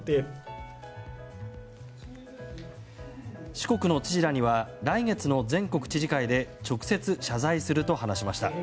四国の知事らには来月の全国知事会で直接、謝罪すると話しました。